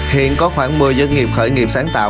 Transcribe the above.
hiện có khoảng một mươi doanh nghiệp khởi nghiệp sáng tạo